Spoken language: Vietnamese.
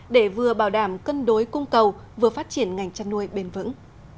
để vừa bảo đảm cân đối cung cầu vừa phát triển ngành chăn nuôi bền vững